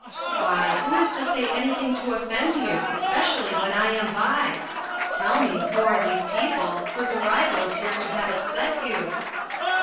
"Why, who is to say anything to offend you, especially when I am by? Tell me, who are these people, whose arrival appears to have upset you?"